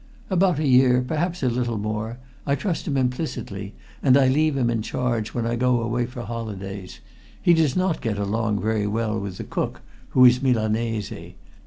"About a year perhaps a little more. I trust him implicitly, and I leave him in charge when I go away for holidays. He does not get along very well with the cook who is Milanese.